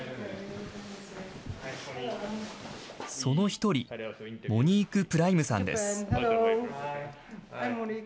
その一人、モニーク・プライムさんです。